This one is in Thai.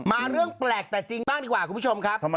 มาเรื่องแปลกแต่จริงบ้างดีกว่าคุณผู้ชมครับ